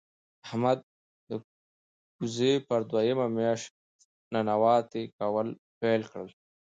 احمد د کوزې پر دویمه مياشت ننواته کول پیل کړل.